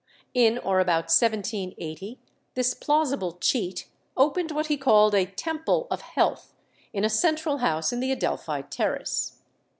In or about 1780 this plausible cheat opened what he called a "Temple of Health," in a central house in the Adelphi Terrace.